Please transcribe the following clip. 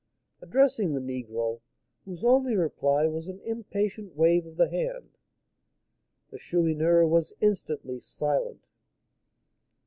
addressing the negro, whose only reply was an impatient wave of the hand. The Chourineur was instantly silent.